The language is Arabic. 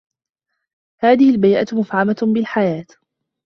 هذه البيئة مفعمة بالحياة.